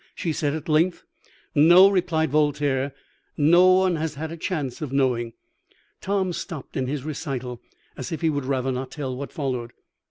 she said at length. "'No,' replied Voltaire. 'No one has had a chance of knowing.'" Tom stopped in his recital, as if he would rather not tell what followed.